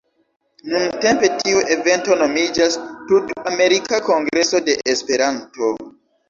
Nuntempe tiu evento nomiĝas "Tut-Amerika Kongreso de Esperanto".